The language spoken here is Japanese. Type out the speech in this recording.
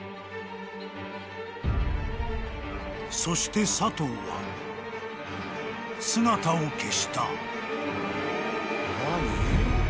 ［そしてサトウは姿を消した］